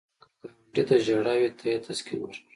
که ګاونډي ته ژړا وي، ته یې تسکین ورکړه